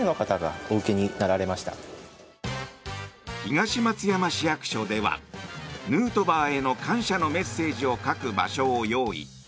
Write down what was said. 東松山市役所ではヌートバーへの感謝のメッセージを書く場所を用意。